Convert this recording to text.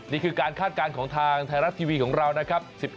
นี่คือการคาดการณ์ของทางไทยรัฐทีวีของเรานะครับ